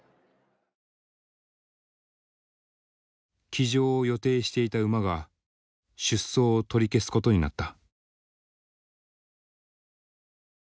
騎乗を予定していた馬が出走を取り消すことになった。